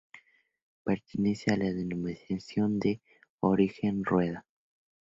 Pertenece a la Denominación de Origen Rueda.